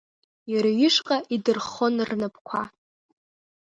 Иара ишҟа идырххон рнапқәа…